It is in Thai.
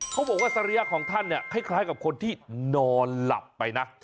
เขาบอกว่าสริยะของท่านเนี่ยคล้ายกับคนที่นอนหลับไปนะ